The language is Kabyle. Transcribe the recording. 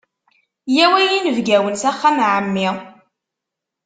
Yyaw a yinebgawen s axxam n ɛemmi!